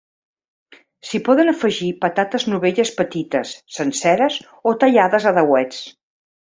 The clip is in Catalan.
S'hi poden afegir patates novelles petites senceres o tallades a dauets.